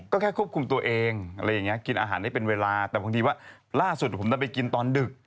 ก็แค่ควบคุมตัวเองอะไรอย่างนี้กินอาหารได้เป็นเวลาแต่บางทีว่าล่าสุดผมจะไปกินตอนดึก